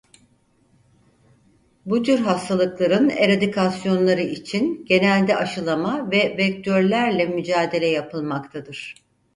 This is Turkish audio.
Bu tür hastalıkların eradikasyonları için genelde aşılama ve vektörlerle mücadele yapılmaktadır.